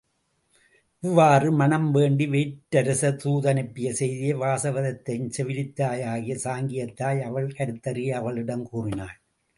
இவ்வாறு மணம் வேண்டி வேற்றரசர் தூதனுப்பிய செய்தியை வாசவதத்தையின் செவிலித்தாயாகிய சாங்கியத் தாய், அவள் கருத்தறிய அவளிடம் கூறினாள்.